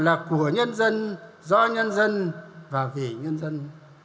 là của nhân dân do nhân dân và vì nhân dân